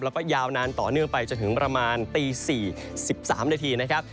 แล้วก็ยาวนานต่อเนื่องไปจนถึงประมาณตี๔๓นาทีนะครับ